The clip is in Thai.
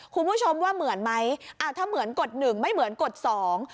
คุณผู้ชมว่าเหมือนไหมอ่าถ้าเหมือนกฎหนึ่งไม่เหมือนกฎสอง